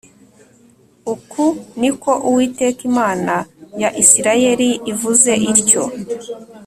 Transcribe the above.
Uku ni ko Uwiteka Imana ya Isirayeli ivuze ityo